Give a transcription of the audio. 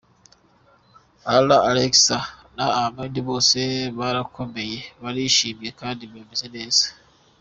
Ella, Alexander na Amal bose barakomeye, barishimye kandi bameze neza.